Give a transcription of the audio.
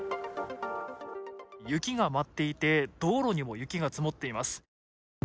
雪が舞っていて、道路にも雪が積もっています。